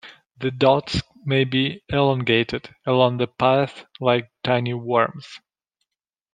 The dots may be elongated along the path like tiny worms.